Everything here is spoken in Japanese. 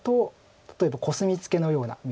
例えばコスミツケのような右下隅。